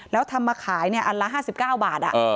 แล้วทำมาขายเนี่ยอันละห้าสิบเก้าบาทอ่ะเออ